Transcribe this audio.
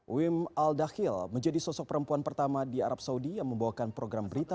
wim al dakhil menjadi sosok perempuan pertama di arab saudi yang membawakan program berita